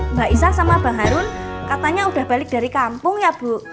mbak isa sama bang harun katanya udah balik dari kampung ya bu